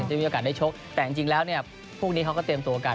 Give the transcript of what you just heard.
จะมีโอกาสได้ชกแต่จริงแล้วเนี่ยพรุ่งนี้เขาก็เตรียมตัวกัน